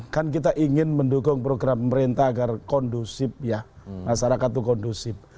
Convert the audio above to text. kan kita ingin mendukung program pemerintah agar kondusif ya masyarakat itu kondusif